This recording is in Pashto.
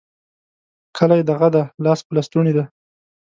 کلی دغه دی؛ لاس په لستوڼي دی.